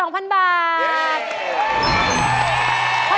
ขอให้แพงกว่า